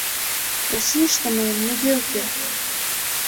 Российыште мыйын нигӧ уке.